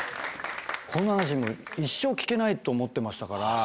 こんな話一生聞けないと思ってましたから。